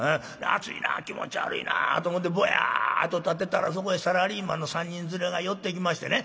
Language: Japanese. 「暑いな気持ち悪いな」と思ってぼやっと立ってたらそこへサラリーマンの３人連れが寄ってきましてね